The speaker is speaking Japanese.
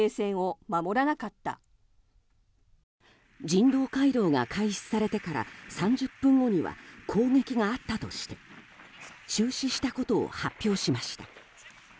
人道回廊が開始されてから３０分後には攻撃があったとして中止したことを発表しました。